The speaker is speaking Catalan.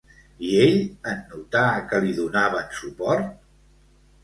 I ell en notar que li donaven suport?